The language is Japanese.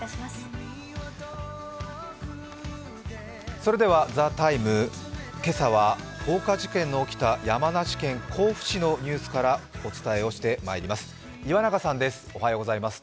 それでは「ＴＨＥＴＩＭＥ，」、今朝は放火事件の起きた山梨県甲府市のニュースからお伝えをしてまいります。